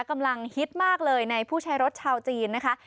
ฮิตมากเลยในผู้ใช้รถชาวจีนนะคะ